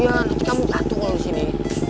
iya nanti kamu jatuh kalau sini